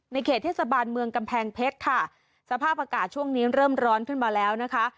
เขตเทศบาลเมืองกำแพงเพชรค่ะสภาพอากาศช่วงนี้เริ่มร้อนขึ้นมาแล้วนะคะ